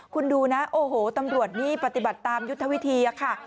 คุณดูนะโอ้โหตำรวจนี่ปฏิบัติตามยุทธวิธีค่ะ